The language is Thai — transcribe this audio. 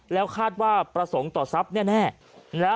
แล้วคาดว่าประสงค์ต่อทรัพย์แน่